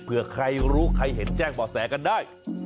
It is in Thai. เพื่อใครรู้ใครเห็นแจ้งบ่อแสกันได้